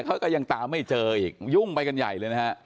เขาก็ยังตามไม่เจออีกยุ่งไปกันใหญ่เลยนะฮะ